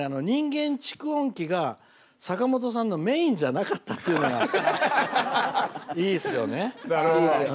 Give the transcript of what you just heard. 人間蓄音機が坂本さんのメインじゃなかったっていうのがいいですよね。